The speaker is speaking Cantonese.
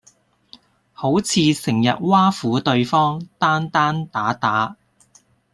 好似成日挖苦對方，單單打打